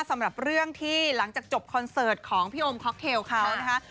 สำหรับเรื่องที่หลังจากจบคอนเสิร์ตของพี่โอมค็อกเทลเขานะคะ